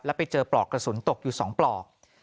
ไปเจอปลอกกระสุนตกอยู่๒ปลอก